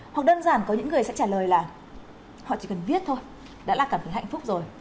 hoặc đơn giản có những người sẽ trả lời là họ chỉ cần viết thôi đã là cảm thấy hạnh phúc rồi